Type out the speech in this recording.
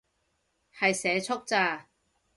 係社畜咋